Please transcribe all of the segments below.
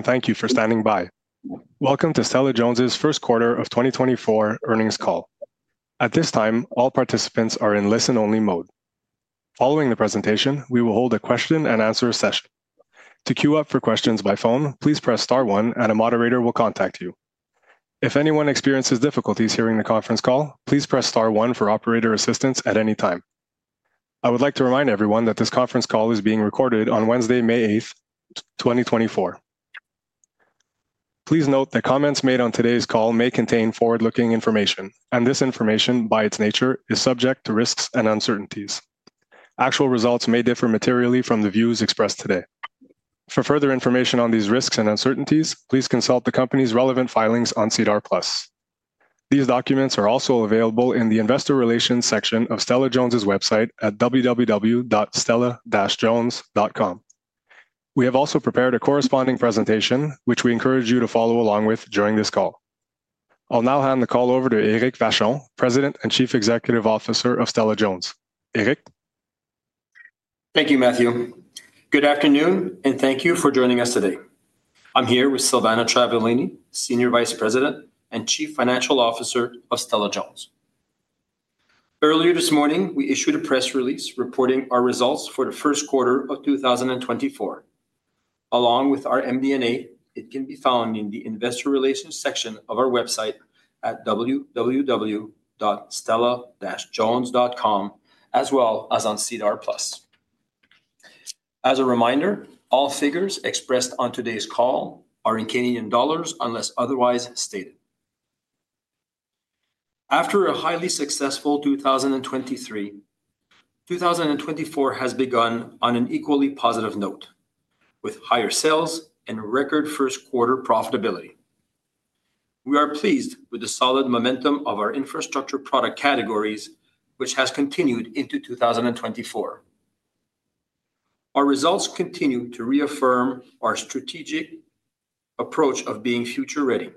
Thank you for standing by. Welcome to Stella-Jones' First Quarter of 2024 Earnings Call. At this time, all participants are in listen-only mode. Following the presentation, we will hold a question-and-answer session. To queue up for questions by phone, please press star 1 and a moderator will contact you. If anyone experiences difficulties hearing the conference call, please press star 1 for operator assistance at any time. I would like to remind everyone that this conference call is being recorded on Wednesday, May 8th, 2024. Please note that comments made on today's call may contain forward-looking information, and this information, by its nature, is subject to risks and uncertainties. Actual results may differ materially from the views expressed today. For further information on these risks and uncertainties, please consult the company's relevant filings on SEDAR+. These documents are also available in the Investor Relations section of Stella-Jones' website at www.stellajones.com. We have also prepared a corresponding presentation, which we encourage you to follow along with during this call. I'll now hand the call over to Éric Vachon, President and Chief Executive Officer of Stella-Jones. Éric? Thank you, Matthew. Good afternoon, and thank you for joining us today. I'm here with Silvana Travaglini, Senior Vice President and Chief Financial Officer of Stella-Jones. Earlier this morning, we issued a press release reporting our results for the first quarter of 2024. Along with our MD&A, it can be found in the Investor Relations section of our website at www.stellajones.com, as well as on SEDAR+. As a reminder, all figures expressed on today's call are in Canadian dollars unless otherwise stated. After a highly successful 2023, 2024 has begun on an equally positive note, with higher sales and record first-quarter profitability. We are pleased with the solid momentum of our infrastructure product categories, which has continued into 2024. Our results continue to reaffirm our strategic approach of being future-ready.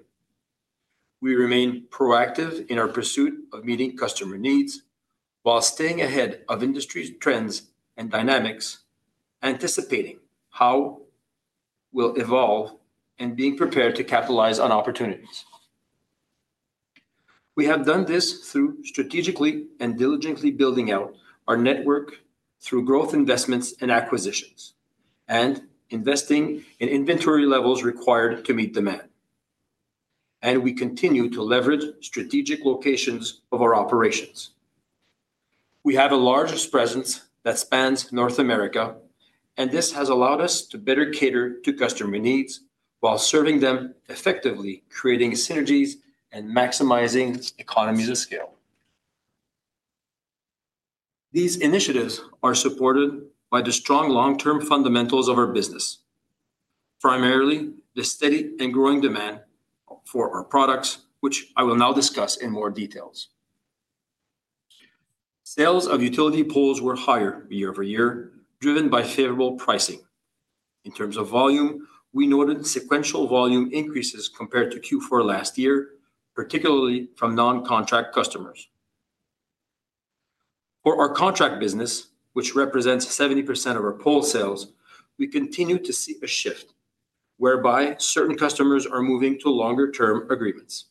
We remain proactive in our pursuit of meeting customer needs while staying ahead of industry trends and dynamics, anticipating how we'll evolve and being prepared to capitalize on opportunities. We have done this through strategically and diligently building out our network through growth investments and acquisitions, and investing in inventory levels required to meet demand. We continue to leverage strategic locations of our operations. We have a large presence that spans North America, and this has allowed us to better cater to customer needs while serving them, effectively creating synergies and maximizing economies of scale. These initiatives are supported by the strong long-term fundamentals of our business, primarily the steady and growing demand for our products, which I will now discuss in more details. Sales of utility poles were higher year-over-year, driven by favorable pricing. In terms of volume, we noted sequential volume increases compared to Q4 last year, particularly from non-contract customers. For our contract business, which represents 70% of our pole sales, we continue to see a shift whereby certain customers are moving to longer-term agreements.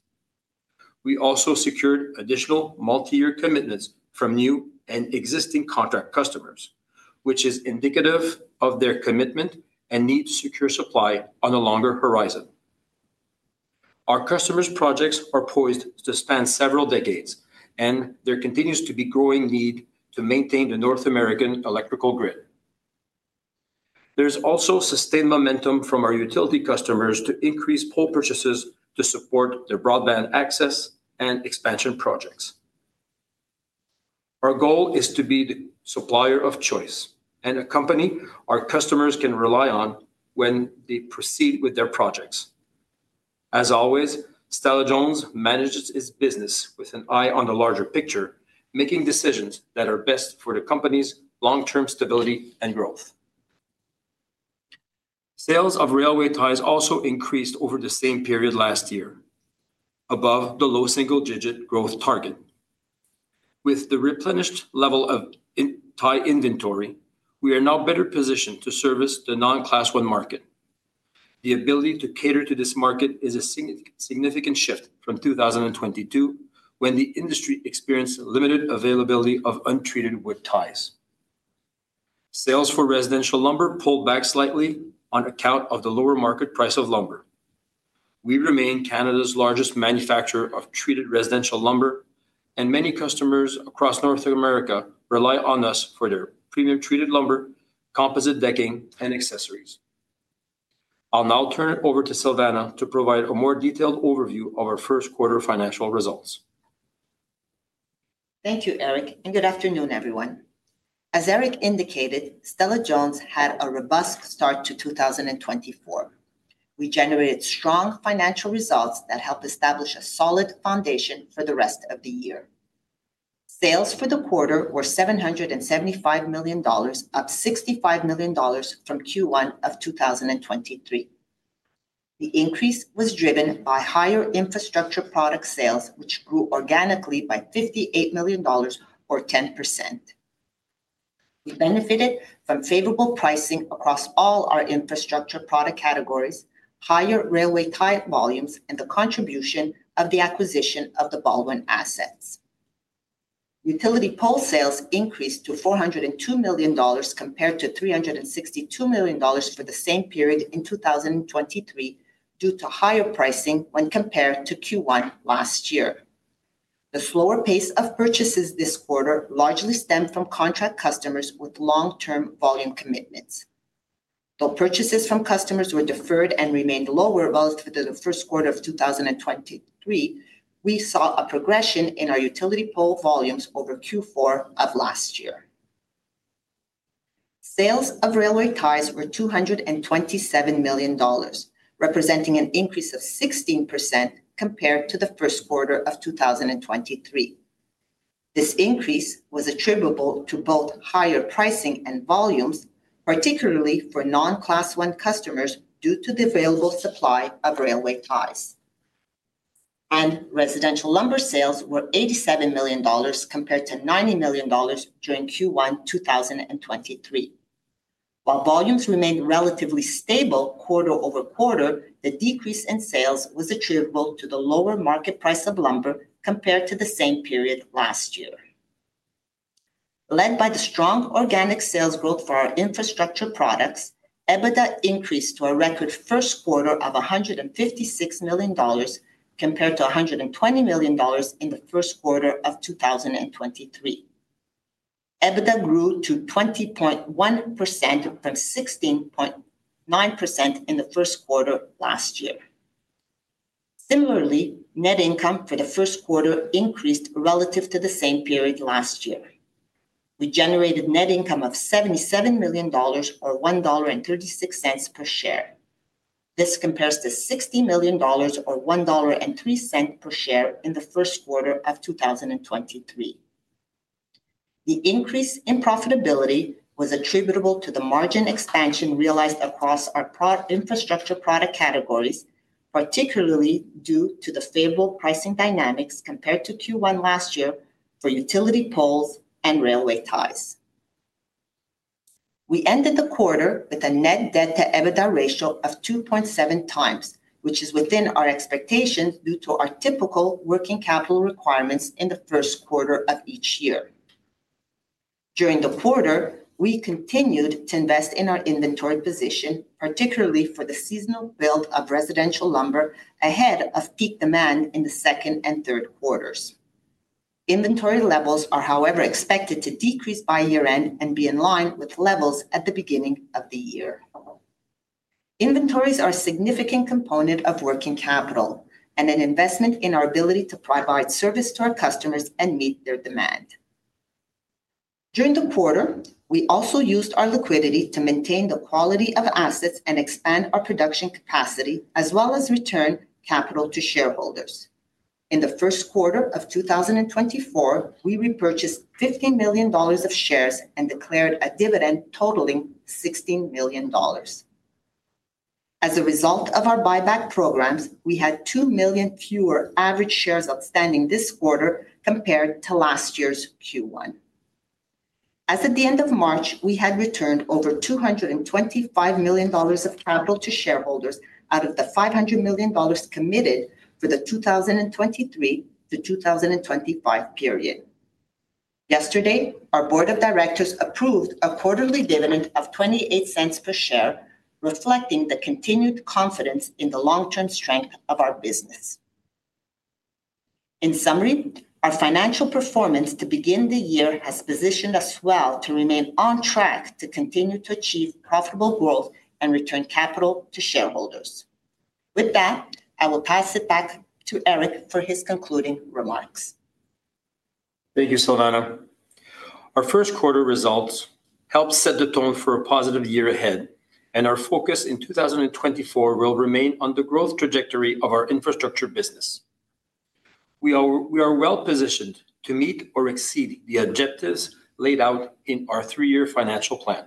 We also secured additional multi-year commitments from new and existing contract customers, which is indicative of their commitment and need to secure supply on a longer horizon. Our customers' projects are poised to span several decades, and there continues to be growing need to maintain the North American electrical grid. There's also sustained momentum from our utility customers to increase pole purchases to support their broadband access and expansion projects. Our goal is to be the supplier of choice and a company our customers can rely on when they proceed with their projects. As always, Stella-Jones manages its business with an eye on the larger picture, making decisions that are best for the company's long-term stability and growth. Sales of railway ties also increased over the same period last year, above the low single-digit growth target. With the replenished level of tie inventory, we are now better positioned to service the non-Class I market. The ability to cater to this market is a significant shift from 2022, when the industry experienced limited availability of untreated wood ties. Sales for residential lumber pulled back slightly on account of the lower market price of lumber. We remain Canada's largest manufacturer of treated residential lumber, and many customers across North America rely on us for their premium treated lumber, composite decking, and accessories. I'll now turn it over to Silvana to provide a more detailed overview of our first quarter financial results. Thank you, Éric, and good afternoon, everyone. As Éric indicated, Stella-Jones had a robust start to 2024. We generated strong financial results that helped establish a solid foundation for the rest of the year. Sales for the quarter were 775 million dollars, up 65 million dollars from Q1 of 2023. The increase was driven by higher infrastructure product sales, which grew organically by 58 million dollars, or 10%. We benefited from favorable pricing across all our infrastructure product categories, higher railway tie volumes, and the contribution of the acquisition of the Baldwin assets. Utility pole sales increased to 402 million dollars compared to 362 million dollars for the same period in 2023 due to higher pricing when compared to Q1 last year. The slower pace of purchases this quarter largely stemmed from contract customers with long-term volume commitments. Though purchases from customers were deferred and remained lower relative to the first quarter of 2023, we saw a progression in our utility pole volumes over Q4 of last year. Sales of railway ties were 227 million dollars, representing an increase of 16% compared to the first quarter of 2023. This increase was attributable to both higher pricing and volumes, particularly for non-Class I customers due to the available supply of railway ties. Residential lumber sales were 87 million dollars compared to 90 million dollars during Q1 2023. While volumes remained relatively stable quarter-over-quarter, the decrease in sales was attributable to the lower market price of lumber compared to the same period last year. Led by the strong organic sales growth for our infrastructure products, EBITDA increased to a record first quarter of 156 million dollars compared to 120 million dollars in the first quarter of 2023. EBITDA grew to 20.1% from 16.9% in the first quarter last year. Similarly, net income for the first quarter increased relative to the same period last year. We generated net income of 77 million dollars, or 1.36 dollar per share. This compares to 60 million dollars, or 1.03 dollar per share, in the first quarter of 2023. The increase in profitability was attributable to the margin expansion realized across our infrastructure product categories, particularly due to the favorable pricing dynamics compared to Q1 last year for utility poles and railway ties. We ended the quarter with a net debt-to-EBITDA ratio of 2.7 times, which is within our expectations due to our typical working capital requirements in the first quarter of each year. During the quarter, we continued to invest in our inventory position, particularly for the seasonal build of residential lumber ahead of peak demand in the second and third quarters. Inventory levels are, however, expected to decrease by year-end and be in line with levels at the beginning of the year. Inventories are a significant component of working capital and an investment in our ability to provide service to our customers and meet their demand. During the quarter, we also used our liquidity to maintain the quality of assets and expand our production capacity, as well as return capital to shareholders. In the first quarter of 2024, we repurchased 15 million dollars of shares and declared a dividend totaling 16 million dollars. As a result of our buyback programs, we had two million fewer average shares outstanding this quarter compared to last year's Q1. As at the end of March, we had returned over 225 million dollars of capital to shareholders out of the 500 million dollars committed for the 2023 to 2025 period. Yesterday, our board of directors approved a quarterly dividend of 0.28 per share, reflecting the continued confidence in the long-term strength of our business. In summary, our financial performance to begin the year has positioned us well to remain on track to continue to achieve profitable growth and return capital to shareholders. With that, I will pass it back to Éric for his concluding remarks. Thank you, Silvana. Our first quarter results helped set the tone for a positive year ahead, and our focus in 2024 will remain on the growth trajectory of our infrastructure business. We are well positioned to meet or exceed the objectives laid out in our three-year financial plan.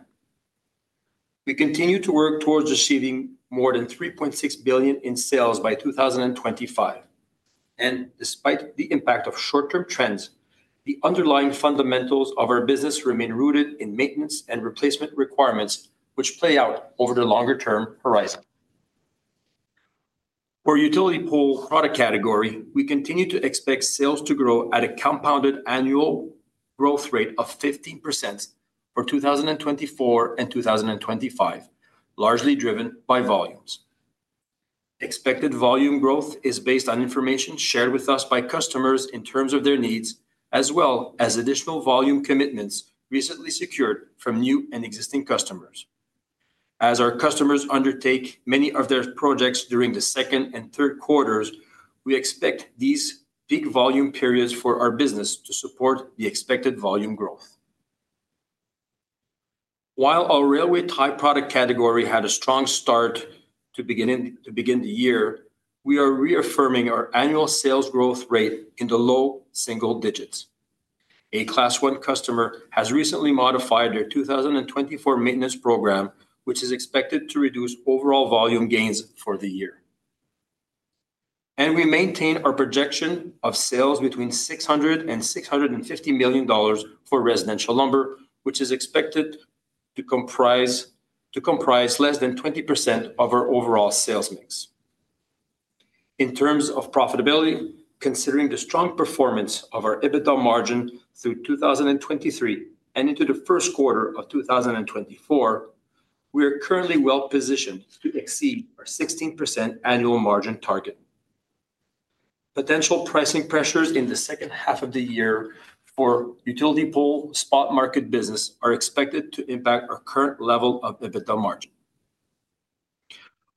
We continue to work towards achieving more than 3.6 billion in sales by 2025. Despite the impact of short-term trends, the underlying fundamentals of our business remain rooted in maintenance and replacement requirements, which play out over the longer-term horizon. For utility pole product category, we continue to expect sales to grow at a compounded annual growth rate of 15% for 2024 and 2025, largely driven by volumes. Expected volume growth is based on information shared with us by customers in terms of their needs, as well as additional volume commitments recently secured from new and existing customers. As our customers undertake many of their projects during the second and third quarters, we expect these big volume periods for our business to support the expected volume growth. While our railway tie product category had a strong start to begin the year, we are reaffirming our annual sales growth rate in the low single digits. A Class I customer has recently modified their 2024 maintenance program, which is expected to reduce overall volume gains for the year. We maintain our projection of sales between 600-650 million dollars for residential lumber, which is expected to comprise less than 20% of our overall sales mix. In terms of profitability, considering the strong performance of our EBITDA margin through 2023 and into the first quarter of 2024, we are currently well positioned to exceed our 16% annual margin target. Potential pricing pressures in the second half of the year for utility pole spot market business are expected to impact our current level of EBITDA margin.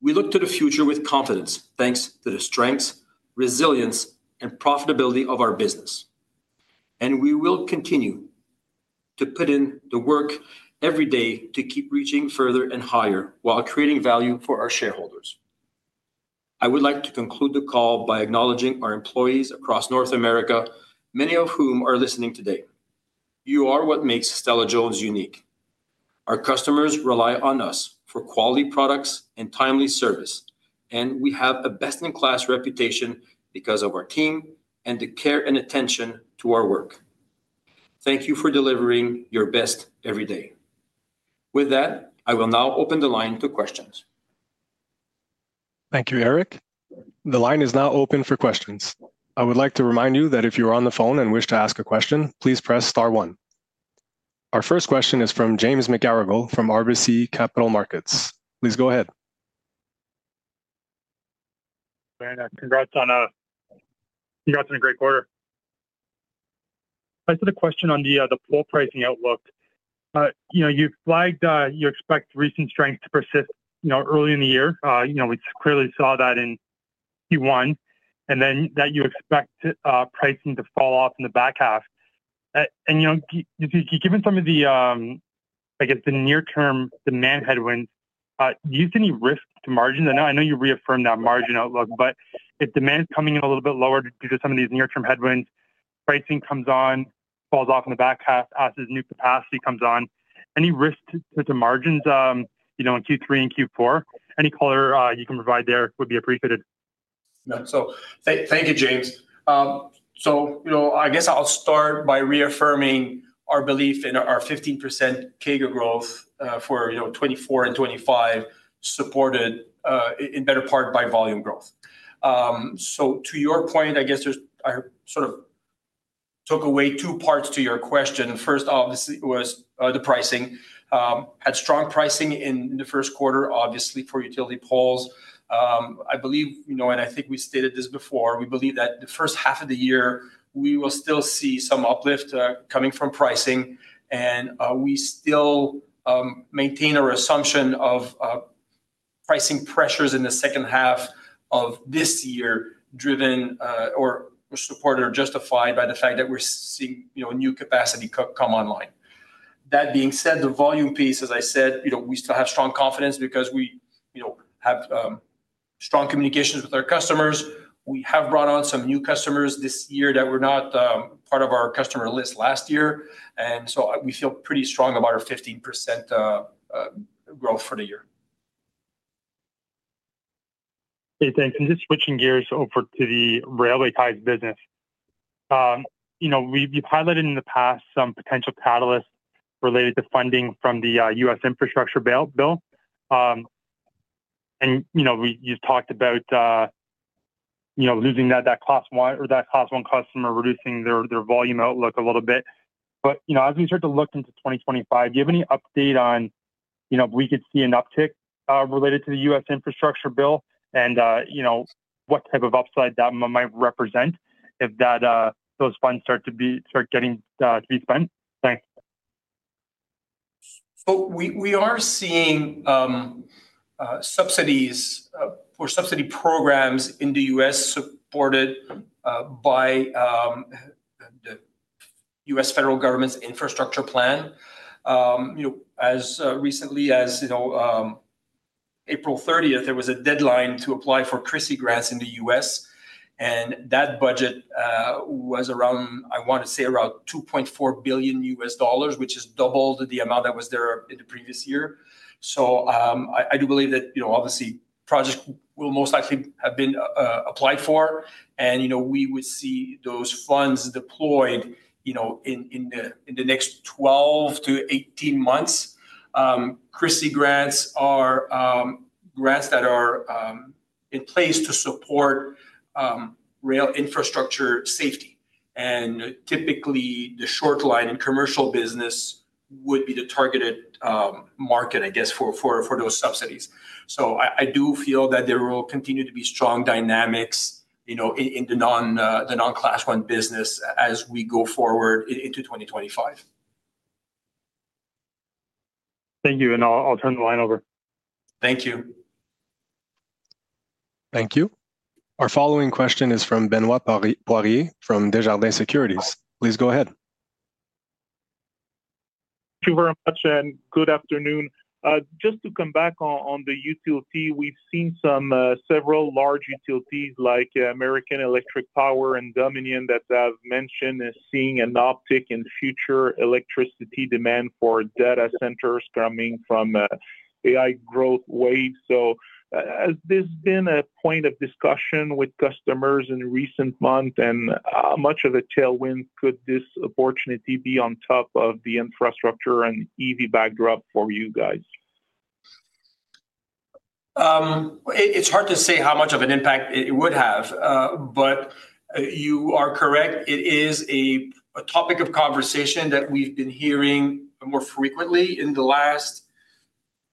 We look to the future with confidence thanks to the strengths, resilience, and profitability of our business. We will continue to put in the work every day to keep reaching further and higher while creating value for our shareholders. I would like to conclude the call by acknowledging our employees across North America, many of whom are listening today. You are what makes Stella-Jones unique. Our customers rely on us for quality products and timely service, and we have a best-in-class reputation because of our team and the care and attention to our work. Thank you for delivering your best every day. With that, I will now open the line to questions. Thank you, Éric. The line is now open for questions. I would like to remind you that if you are on the phone and wish to ask a question, please press star one. Our first question is from James McGarragle from RBC Capital Markets. Please go ahead. Congrats on a great quarter. As to the question on the pole pricing outlook, you flagged you expect recent strength to persist early in the year. We clearly saw that in Q1 and then that you expect pricing to fall off in the back half. Given some of the, I guess, the near-term demand headwinds, do you see any risk to margins? I know you reaffirmed that margin outlook, but if demand is coming in a little bit lower due to some of these near-term headwinds, pricing comes off, falls off in the back half, as new capacity comes on, any risk to margins in Q3 and Q4? Any color you can provide there would be appreciated. Yeah. So thank you, James. So I guess I'll start by reaffirming our belief in our 15% CAGR growth for 2024 and 2025, supported in better part by volume growth. So to your point, I guess I sort of took away two parts to your question. First, obviously, was the pricing. Had strong pricing in the first quarter, obviously, for utility poles. I believe, and I think we stated this before, we believe that the first half of the year, we will still see some uplift coming from pricing. And we still maintain our assumption of pricing pressures in the second half of this year driven or supported or justified by the fact that we're seeing new capacity come online. That being said, the volume piece, as I said, we still have strong confidence because we have strong communications with our customers. We have brought on some new customers this year that were not part of our customer list last year. And so we feel pretty strong about our 15% growth for the year. Hey, thanks. Just switching gears over to the railway ties business. You've highlighted in the past some potential catalysts related to funding from the U.S. infrastructure bill. And you've talked about losing that Class I or that Class I customer, reducing their volume outlook a little bit. But as we start to look into 2025, do you have any update on if we could see an uptick related to the U.S. infrastructure bill and what type of upside that might represent if those funds start getting to be spent? Thanks. So we are seeing subsidies or subsidy programs in the U.S. supported by the U.S. federal government's infrastructure plan. As recently as April 30th, there was a deadline to apply for CRISI grants in the U.S. And that budget was around, I want to say, around $2.4 billion, which is double the amount that was there in the previous year. So I do believe that, obviously, projects will most likely have been applied for. And we would see those funds deployed in the next 12-18 months. CRISI grants are grants that are in place to support rail infrastructure safety. And typically, the short line in commercial business would be the targeted market, I guess, for those subsidies. So I do feel that there will continue to be strong dynamics in the non-Class I business as we go forward into 2025. Thank you. And I'll turn the line over. Thank you. Thank you. Our following question is from Benoit Poirier from Desjardins Securities. Please go ahead. Thank you very much, and good afternoon. Just to come back on the utility, we've seen several large utilities like American Electric Power and Dominion that I've mentioned as seeing an uptick in future electricity demand for data centers coming from AI growth waves. So has this been a point of discussion with customers in recent months? And much of the tailwind, could this opportunity be on top of the infrastructure and EV backdrop for you guys? It's hard to say how much of an impact it would have. But you are correct. It is a topic of conversation that we've been hearing more frequently in the last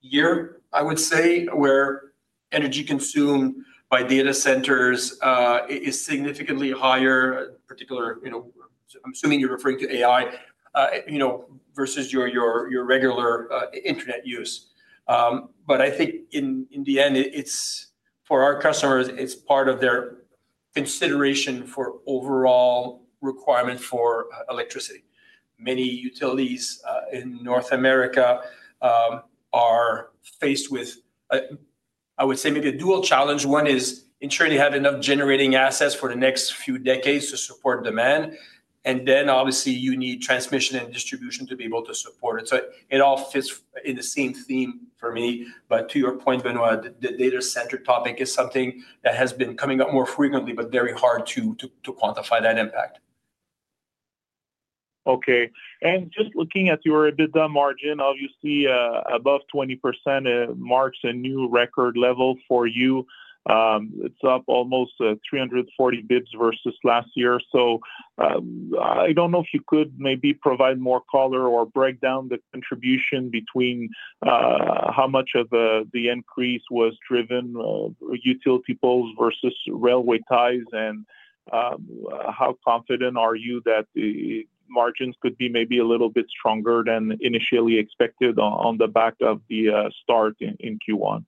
year, I would say, where energy consumed by data centers is significantly higher, particularly I'm assuming you're referring to AI versus your regular internet use. But I think in the end, for our customers, it's part of their consideration for overall requirement for electricity. Many utilities in North America are faced with, I would say, maybe a dual challenge. One is ensuring they have enough generating assets for the next few decades to support demand. And then, obviously, you need transmission and distribution to be able to support it. So it all fits in the same theme for me. To your point, Benoit, the data center topic is something that has been coming up more frequently, but very hard to quantify that impact. Okay. And just looking at your EBITDA margin, obviously, above 20% marks a new record level for you. It's up almost 340 basis points versus last year. So I don't know if you could maybe provide more color or break down the contribution between how much of the increase was driven utility poles versus railway ties, and how confident are you that margins could be maybe a little bit stronger than initially expected on the back of the start in Q1?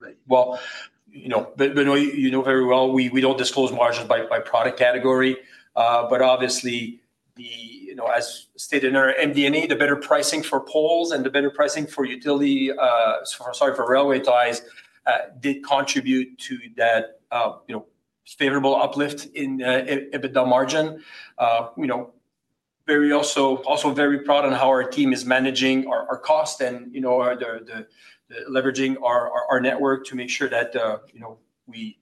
Right. Well, Benoit, you know very well, we don't disclose margins by product category. But obviously, as stated in our MD&A, the better pricing for poles and the better pricing for utility—sorry, for railway ties—did contribute to that favorable uplift in EBITDA margin. We're also very proud of how our team is managing our cost and leveraging our network to make sure that we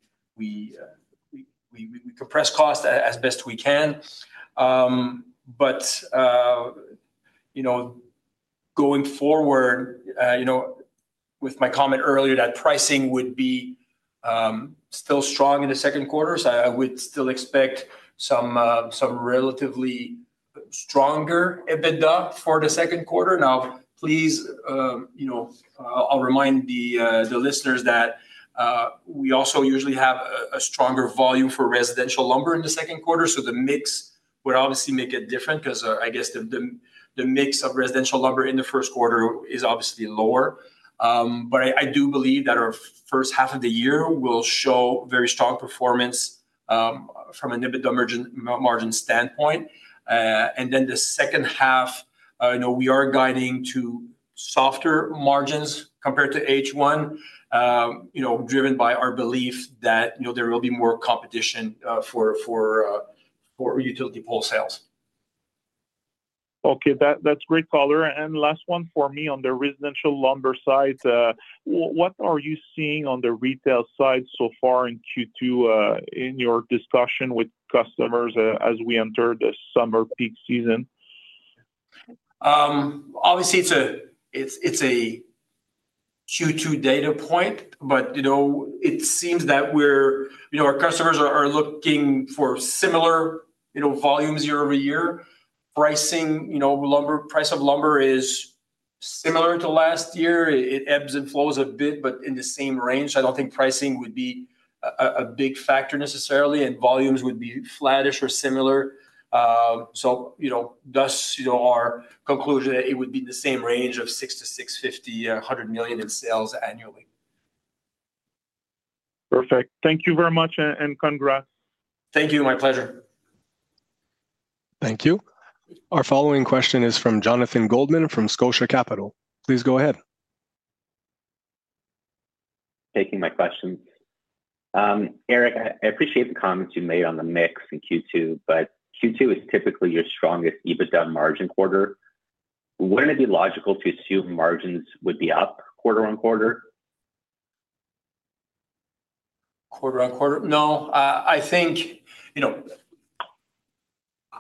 compress cost as best we can. But going forward, with my comment earlier that pricing would be still strong in the second quarter, so I would still expect some relatively stronger EBITDA for the second quarter. Now, please, I'll remind the listeners that we also usually have a stronger volume for residential lumber in the second quarter. So the mix would obviously make it different because, I guess, the mix of residential lumber in the first quarter is obviously lower. But I do believe that our first half of the year will show very strong performance from an EBITDA margin standpoint. And then the second half, we are guiding to softer margins compared to H1, driven by our belief that there will be more competition for utility pole sales. Okay. That's a great color. Last one for me on the residential lumber side. What are you seeing on the retail side so far in Q2 in your discussion with customers as we enter the summer peak season? Obviously, it's a Q2 data point. But it seems that our customers are looking for similar volumes year-over-year. Price of lumber is similar to last year. It ebbs and flows a bit, but in the same range. So I don't think pricing would be a big factor necessarily, and volumes would be flattish or similar. So thus, our conclusion is that it would be in the same range of 6 million-650.1 million in sales annually. Perfect. Thank you very much and congrats. Thank you. My pleasure. Thank you. Our following question is from Jonathan Goldman from Scotia Capital. Please go ahead. Taking my questions. Éric, I appreciate the comments you made on the mix in Q2, but Q2 is typically your strongest EBITDA margin quarter. Wouldn't it be logical to assume margins would be up quarter-over-quarter? Quarter on quarter? No.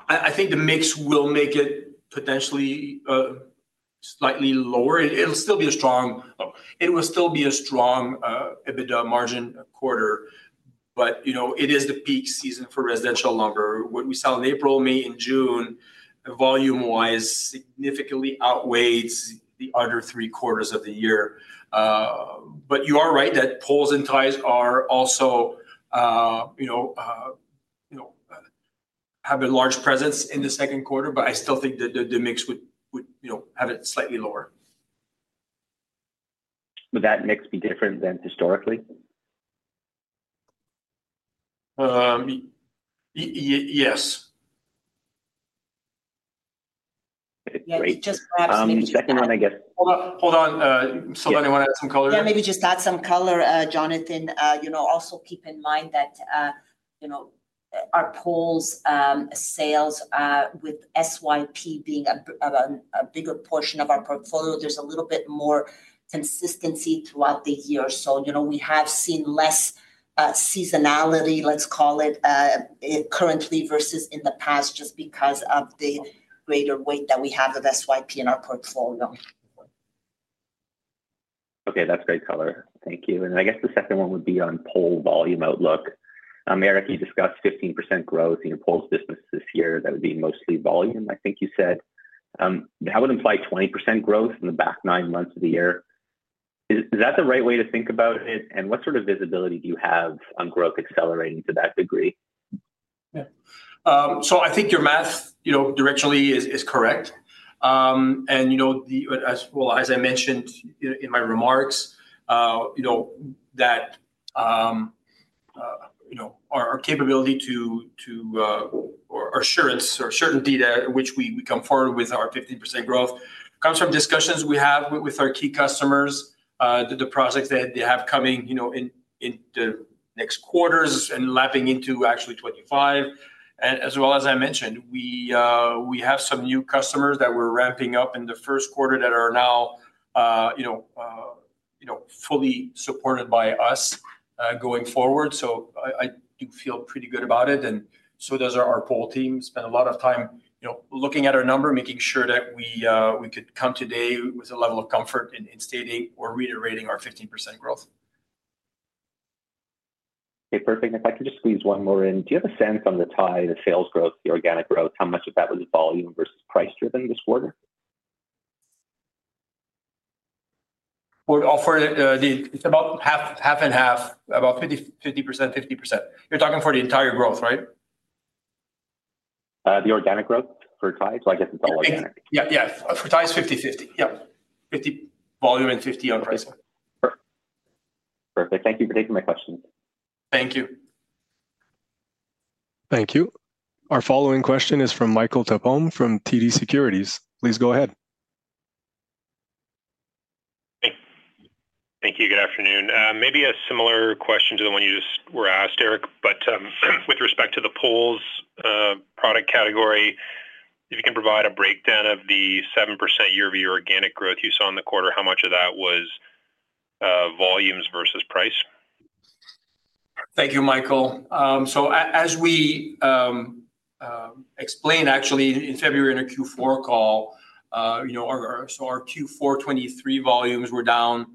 I think the mix will make it potentially slightly lower. It'll still be a strong; it will still be a strong EBITDA margin quarter. But it is the peak season for residential lumber. What we sell in April, May, and June, volume-wise, significantly outweighs the other three quarters of the year. But you are right that poles and ties also have a large presence in the second quarter. But I still think the mix would have it slightly lower. Would that mix be different than historically? Yes. Yeah. Just perhaps maybe some. Second one, I guess. Hold on. Hold on. Silvana, you want to add some color? Yeah. Maybe just add some color, Jonathan. Also keep in mind that our poles sales with SYP being a bigger portion of our portfolio, there's a little bit more consistency throughout the year. So we have seen less seasonality, let's call it, currently versus in the past just because of the greater weight that we have of SYP in our portfolio. Okay. That's great color. Thank you. I guess the second one would be on pole volume outlook. Éric, you discussed 15% growth in your poles business this year. That would be mostly volume, I think you said. That would imply 20% growth in the back nine months of the year. Is that the right way to think about it? And what sort of visibility do you have on growth accelerating to that degree? Yeah. So I think your math directionally is correct. And well, as I mentioned in my remarks, that our capability to or assurance or certainty that which we come forward with our 15% growth comes from discussions we have with our key customers, the projects that they have coming in the next quarters and lapping into actually 2025. And as well as I mentioned, we have some new customers that we're ramping up in the first quarter that are now fully supported by us going forward. So I do feel pretty good about it. And so does our pole team. Spend a lot of time looking at our number, making sure that we could come today with a level of comfort in stating or reiterating our 15% growth. Okay. Perfect. And if I could just squeeze one more in, do you have a sense on the tie, the sales growth, the organic growth, how much of that was volume versus price-driven this quarter? Well, for the, it's about half and half, about 50%, 50%. You're talking for the entire growth, right? The organic growth for ties? I guess it's all organic. Yeah. Yeah. For ties, 50/50. Yep. 50 volume and 50 on pricing. Perfect. Thank you for taking my questions. Thank you. Thank you. Our following question is from Michael Tupholme from TD Securities. Please go ahead. Thank you. Good afternoon. Maybe a similar question to the one you just were asked, Éric, but with respect to the poles product category, if you can provide a breakdown of the 7% year-over-year organic growth you saw in the quarter, how much of that was volumes versus price? Thank you, Michael. So as we explained, actually, in February in our Q4 2023 call, so our Q4 2023 volumes were down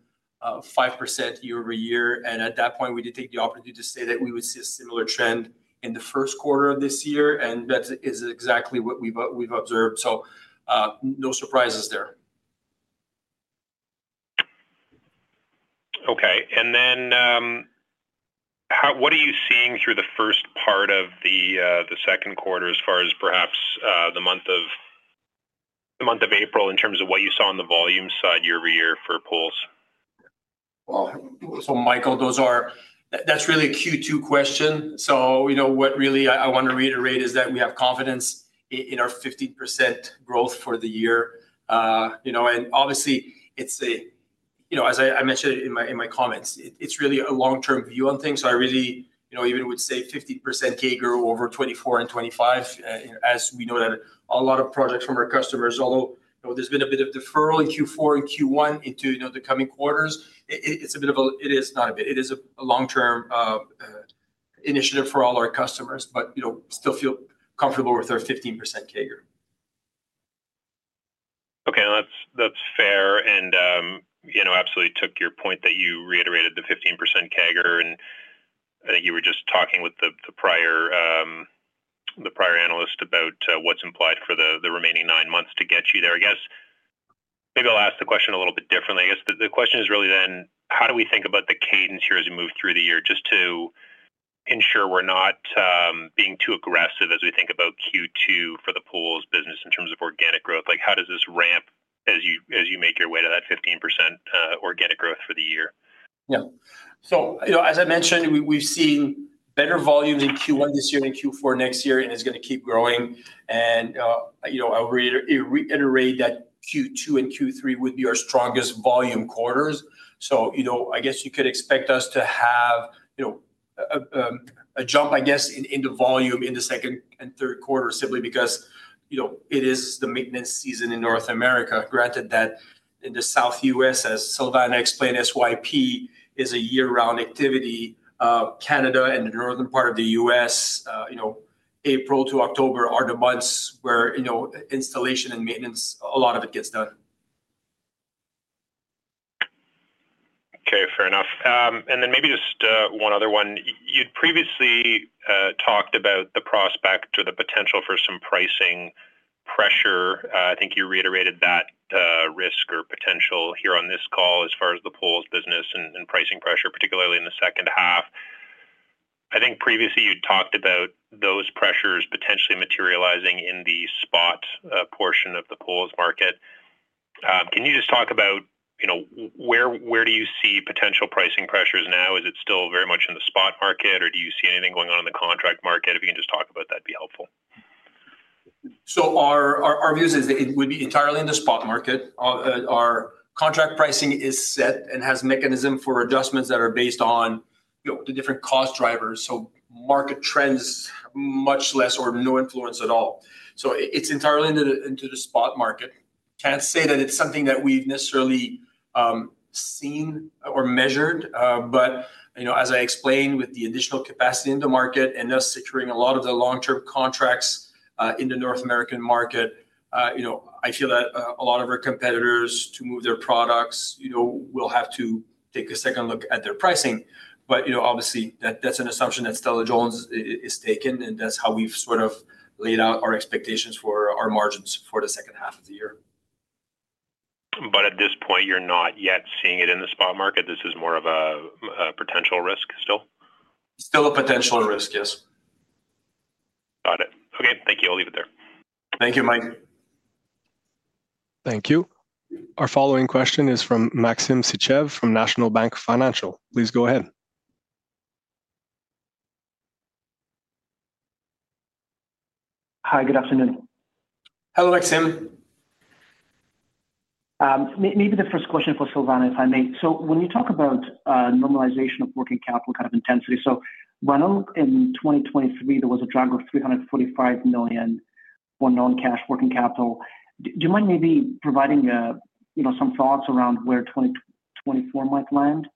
5% year-over-year. And at that point, we did take the opportunity to say that we would see a similar trend in the first quarter of this year. And that is exactly what we've observed. So no surprises there. Okay. And then what are you seeing through the first part of the second quarter as far as perhaps the month of April in terms of what you saw on the volume side year-over-year for poles? Well, so Michael, that's really a Q2 question. So what really I want to reiterate is that we have confidence in our 50% growth for the year. And obviously, it's, as I mentioned in my comments, it's really a long-term view on things. So I really even would say 50% CAGR over 2024 and 2025 as we know that a lot of projects from our customers, although there's been a bit of deferral in Q4 and Q1 into the coming quarters, it's a bit of a it is not a bit. It is a long-term initiative for all our customers, but still feel comfortable with our 15% CAGR. Okay. That's fair. And I absolutely took your point that you reiterated the 15% CAGR. And I think you were just talking with the prior analyst about what's implied for the remaining nine months to get you there. I guess maybe I'll ask the question a little bit differently. I guess the question is really then, how do we think about the cadence here as we move through the year just to ensure we're not being too aggressive as we think about Q2 for the poles business in terms of organic growth? How does this ramp as you make your way to that 15% organic growth for the year? Yeah. So as I mentioned, we've seen better volumes in Q1 this year and Q4 next year, and it's going to keep growing. And I'll reiterate that Q2 and Q3 would be our strongest volume quarters. So I guess you could expect us to have a jump, I guess, into volume in the second and third quarters simply because it is the maintenance season in North America. Granted that in the South U.S., as Silvana explained, SYP is a year-round activity. Canada and the northern part of the U.S., April to October, are the months where installation and maintenance, a lot of it gets done. Okay. Fair enough. And then maybe just one other one. You'd previously talked about the prospect or the potential for some pricing pressure. I think you reiterated that risk or potential here on this call as far as the poles business and pricing pressure, particularly in the second half. I think previously, you'd talked about those pressures potentially materializing in the spot portion of the poles market. Can you just talk about where do you see potential pricing pressures now? Is it still very much in the spot market, or do you see anything going on in the contract market? If you can just talk about that, it'd be helpful. So our view is that it would be entirely in the spot market. Our contract pricing is set and has mechanism for adjustments that are based on the different cost drivers. So market trends, much less or no influence at all. So it's entirely into the spot market. Can't say that it's something that we've necessarily seen or measured. But as I explained with the additional capacity in the market and us securing a lot of the long-term contracts in the North American market, I feel that a lot of our competitors, to move their products, will have to take a second look at their pricing. But obviously, that's an assumption that Stella-Jones is taken, and that's how we've sort of laid out our expectations for our margins for the second half of the year. But at this point, you're not yet seeing it in the spot market? This is more of a potential risk still? Still a potential risk. Yes. Got it. Okay. Thank you. I'll leave it there. Thank you, Mike. Thank you. Our following question is from Maxim Sytchev from National Bank Financial. Please go ahead. Hi. Good afternoon. Hello, Maxim. Maybe the first question for Silvana, if I may. So when you talk about normalization of working capital kind of intensity, so when in 2023, there was a drag of 345 million for non-cash working capital, do you mind maybe providing some thoughts around where 2024 might land?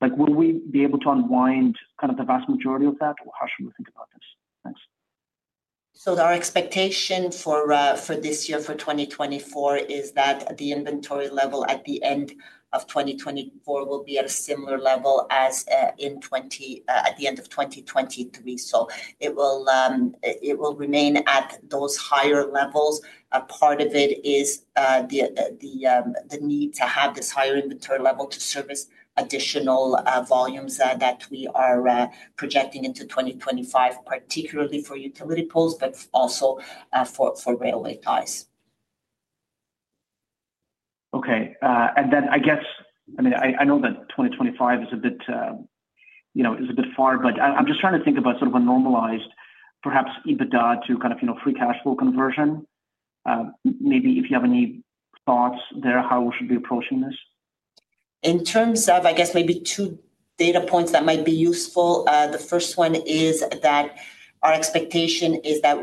Will we be able to unwind kind of the vast majority of that, or how should we think about this? Thanks. So our expectation for this year, for 2024, is that the inventory level at the end of 2024 will be at a similar level as in at the end of 2023. So it will remain at those higher levels. Part of it is the need to have this higher inventory level to service additional volumes that we are projecting into 2025, particularly for utility poles, but also for railway ties. Okay. And then I guess, I mean, I know that 2025 is a bit far, but I'm just trying to think about sort of a normalized, perhaps, EBITDA to kind of free cash flow conversion. Maybe if you have any thoughts there, how we should be approaching this. In terms of, I guess, maybe two data points that might be useful. The first one is that our expectation is that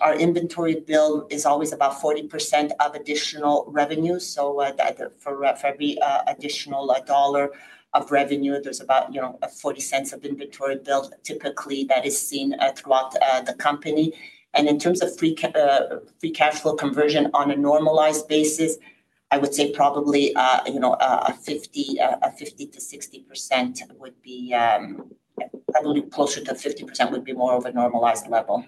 our inventory bill is always about 40% of additional revenue. So for every additional dollar of revenue, there's about 0.40 of inventory bill typically that is seen throughout the company. And in terms of free cash flow conversion on a normalized basis, I would say probably a 50%-60% would be probably closer to 50% would be more of a normalized level.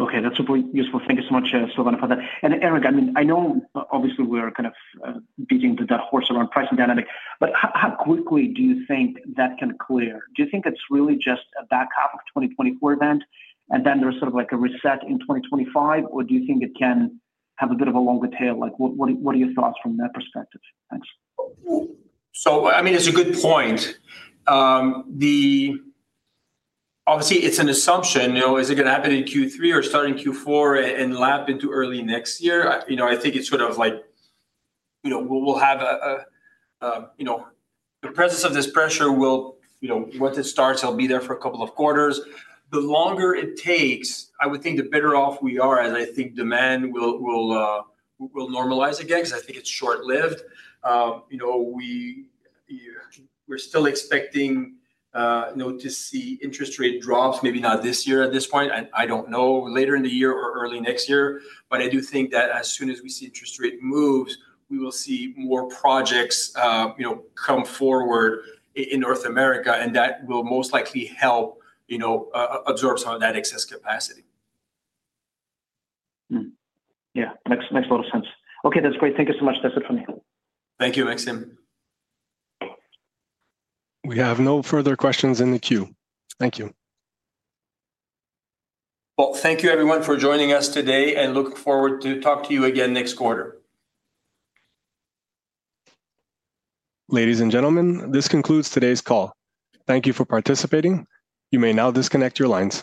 Okay. That's super useful. Thank you so much, Silvana, for that. And Éric, I mean, I know obviously, we're kind of beating the horse around pricing dynamic. But how quickly do you think that can clear? Do you think it's really just a back half of 2024 event, and then there's sort of a reset in 2025, or do you think it can have a bit of a longer tail? What are your thoughts from that perspective? Thanks. So I mean, it's a good point. Obviously, it's an assumption. Is it going to happen in Q3 or start in Q4 and lap into early next year? I think it's sort of like we'll have the presence of this pressure will once it starts, it'll be there for a couple of quarters. The longer it takes, I would think the better off we are as I think demand will normalize again because I think it's short-lived. We're still expecting to see interest rate drops, maybe not this year at this point. I don't know, later in the year or early next year. But I do think that as soon as we see interest rate moves, we will see more projects come forward in North America, and that will most likely help absorb some of that excess capacity. Yeah. Makes a lot of sense. Okay. That's great. Thank you so much. That's it from me. Thank you, Maxim. We have no further questions in the queue. Thank you. Well, thank you, everyone, for joining us today, and looking forward to talk to you again next quarter. Ladies and gentlemen, this concludes today's call. Thank you for participating. You may now disconnect your lines.